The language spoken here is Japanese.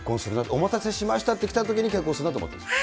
お待たせしましたって来たときに結婚するなと思ったんです。